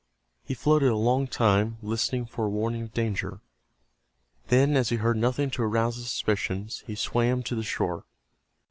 He floated a long time, listening for a warning of danger. Then as he heard nothing to arouse his suspicions he swam to the shore.